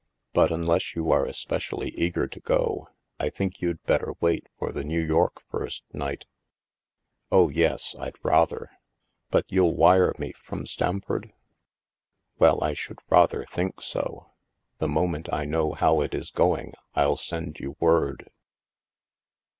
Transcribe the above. But unless you are especially eager to go, I think you'd better wait for the New York first night." " Oh, yes, I'd rather. But you'll wire me from Stamford?" " Well, I should rather think so ! The moment I know how it is going, I'll send you word."